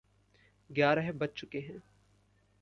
ग्यारह बज चुके हैं।